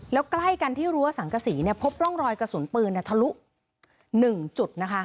แล้วใกล้กันที่รั้วสังกษีเนี่ยพบร่องรอยกระสุนปืนทะลุ๑จุดนะคะ